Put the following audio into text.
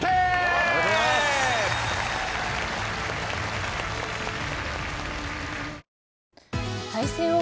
ありがとうございます。